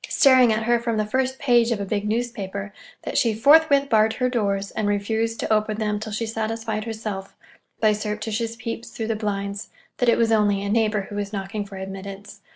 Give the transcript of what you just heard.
staring at her from the first page of a big newspaper, that she forthwith barred her doors, and refused to open them till she satisfied herself, by surreptitious peeps through the blinds, that it was only a neighbor who was knocking for admittance.